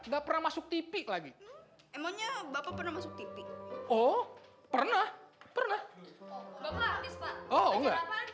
getting masuk tipi lagi ngomongnya bapak pernah masut tipi oh pernah pernah oh enggak waktu itu lagi